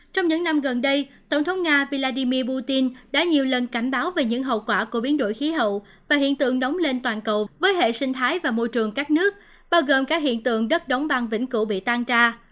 trong những năm gần đây tổng thống nga vladimir putin đã nhiều lần cảnh báo về những hậu quả của biến đổi khí hậu và hiện tượng nóng lên toàn cầu với hệ sinh thái và môi trường các nước bao gồm các hiện tượng đất đóng băng vĩnh cửu bị tan tra